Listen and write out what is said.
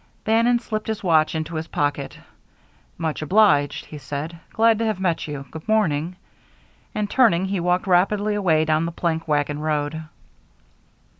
Bannon slipped his watch into his pocket. "Much obliged," he said. "Glad to have met you. Good morning;" and, turning, he walked rapidly away down the plank wagon road.